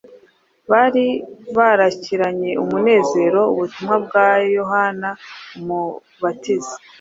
bari barakiranye umunezero ubutumwa bwa Yohana Umubatiza,